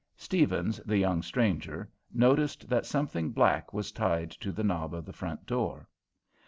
Steavens, the young stranger, noticed that something black was tied to the knob of the front door.